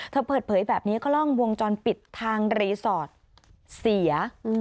เปิดเผยแบบนี้ก็กล้องวงจรปิดทางรีสอร์ทเสีย